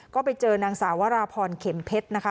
ก็ไปเจอนางสาววราพรเข็มเพชรนะคะ